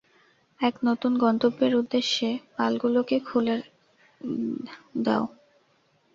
এক নতুন গন্তব্যের উদ্দেশ্যে পালগুলোকে খুলে দাও!